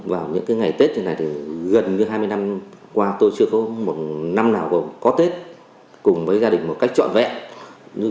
vào những ngày tết như này thì gần như hai mươi năm qua tôi chưa có một năm nào có tết cùng với gia đình một cách trọn vẹn